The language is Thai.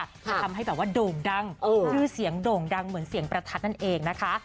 ที่ทำให้เหลือเสียงโด่งดังเหมือนเสียงประทัดนั่นเองนะคะ